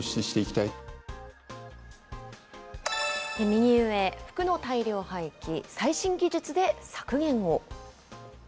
右上、服の大量廃棄、最新技術で削減を。